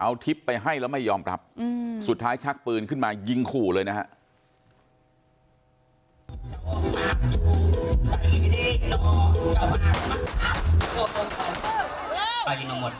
เอาทิพย์ไปให้แล้วไม่ยอมรับสุดท้ายชักปืนขึ้นมายิงขู่เลยนะฮะ